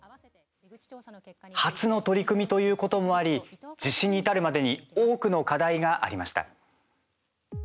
初の取り組みということもあり実施に至るまでに多くの課題がありました。